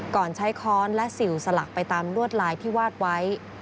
ก่อนใช้ค้อนและสิวสลักไปตามลวดลายที่วาดไว้